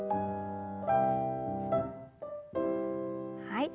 はい。